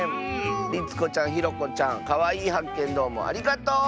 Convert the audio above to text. りつこちゃんひろこちゃんかわいいはっけんどうもありがとう！